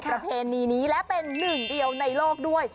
ประเพณีนี้และเป็นหนึ่งเดียวในโลกด้วย